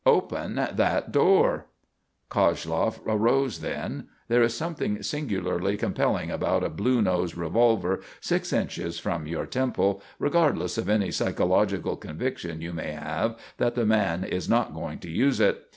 "Open that door!" Koshloff arose then. There is something singularly compelling about a blue nosed revolver six inches from your temple, regardless of any psychological conviction you may have that the man is not going to use it.